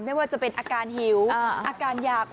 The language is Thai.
ไม่ว่าจะเป็นอาการหิวอาการอยาก